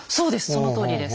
そのとおりです。